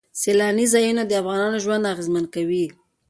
سیلانی ځایونه د افغانانو ژوند اغېزمن کوي.